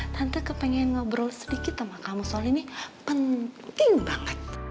tante kepengen ngobrol sedikit sama kamu soal ini penting banget